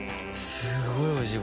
すごいおいしい！